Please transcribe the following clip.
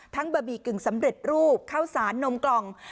ทั้งบะบีกึ่งสำเร็จรูปเข้าสารนมกล่อง